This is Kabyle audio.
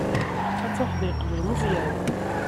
Ad tafeḍ yeqbel Meẓyan.